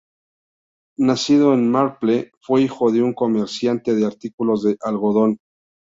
Nacido en Marple, fue hijo de un comerciante de artículos de algodón.